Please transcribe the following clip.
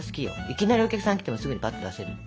いきなりお客さん来てもすぐにぱっと出せる。